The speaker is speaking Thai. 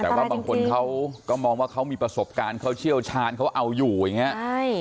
แต่ว่าบางคนเขาก็มองว่าเขามีประสบการณ์เขาเชี่ยวชาญเขาเอาอยู่อย่างนี้